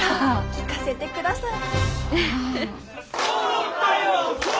聞かせてください。